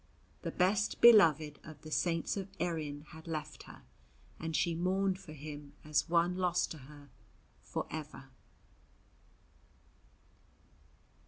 The best beloved of the Saints of Erin had left her, and she mourned for him as one lost to her for ever.